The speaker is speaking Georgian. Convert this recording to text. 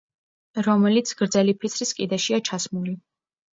რომელიც გრძელი ფიცრის კიდეშია ჩასმული.